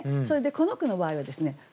それでこの句の場合はですね